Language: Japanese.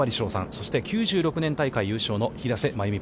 そして、９６年大会優勝の平瀬真由美